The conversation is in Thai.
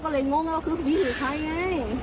ก็เลยงงว่าพี่ถือใครไง